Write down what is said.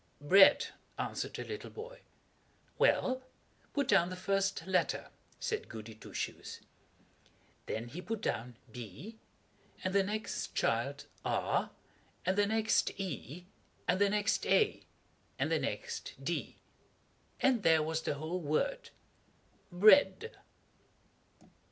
"Bread," answered the little boy. "Well, put down the first letter," said Goody Two Shoes. Then he put down B, and the next child R, and the next E, and the next A, and the next D, and there was the whole word BREAD.